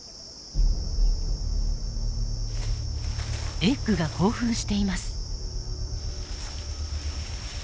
エッグが興奮しています。